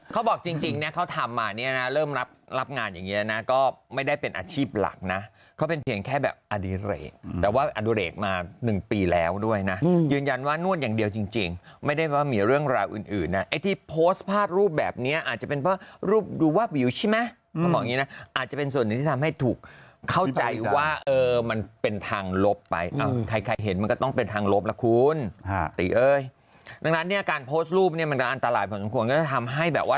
เขาบอกจริงเนี่ยเขาทำมาเนี่ยนะเริ่มรับงานอย่างเงี้ยนะก็ไม่ได้เป็นอาชีพหลักนะเขาเป็นเพียงแค่แบบอดิเรกแต่ว่าอดิเรกมา๑ปีแล้วด้วยนะยืนยันว่านวดอย่างเดียวจริงไม่ได้ว่ามีเรื่องราวอื่นไอ้ที่โพสต์ผ้ารูปแบบเนี้ยอาจจะเป็นเพราะรูปดูว่าวิวใช่ไหมเขาบอกอย่างเงี้ยนะอาจจะเป็นส่วนหนึ่งที่ทำให้